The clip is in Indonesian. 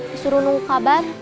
disuruh menunggu kabar